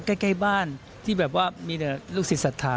ใกล้บ้านที่แบบว่ามีแต่ลูกศิษย์ศรัทธา